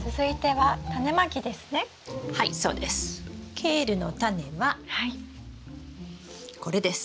ケールのタネはこれです。